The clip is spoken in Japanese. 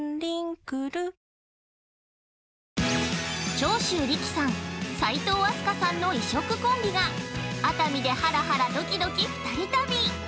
◆長州力さん、齋藤飛鳥さんの異色コンビが熱海でハラハラドキドキ二人旅。